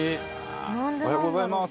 おはようございます。